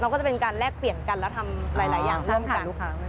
เราก็จะเป็นการแลกเปลี่ยนกันแล้วทำหลายอย่างเรื่องขายลูกค้า